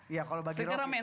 ya kalau bagi rocky